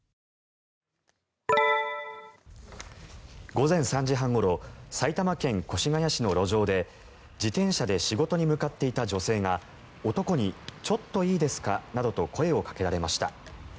午前３時半ごろ埼玉県越谷市の路上で自転車で仕事に向かっていた女性が男にちょっといいですかなどと声をかけられました。